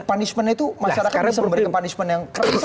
punishmentnya itu masyarakat bisa memberikan punishment yang keras